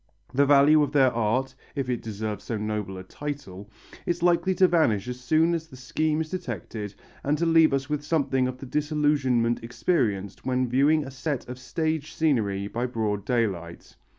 The value of their art if it deserves so noble a title is likely to vanish as soon as the scheme is detected and to leave us with something of the disillusionment experienced when viewing a set of stage scenery by broad daylight.